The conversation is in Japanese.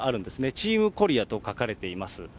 チームコリアと書かれています。